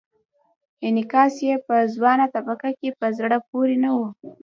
انعکاس یې په ځوانه طبقه کې په زړه پورې نه و.